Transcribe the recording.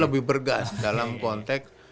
lebih bergas dalam konteks